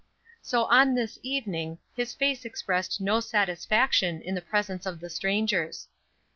So on this evening his face expressed no satisfaction in the presence of the strangers.